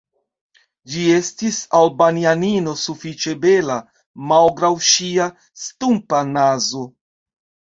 Ĝi estis Albanianino sufiĉe bela, malgraŭ ŝia stumpa nazo.